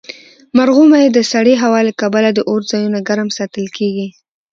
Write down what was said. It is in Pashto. مرغومی د سړې هوا له کبله د اور ځایونه ګرم ساتل کیږي.